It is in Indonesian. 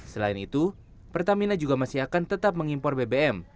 selain itu pertamina juga masih akan tetap mengimpor bbm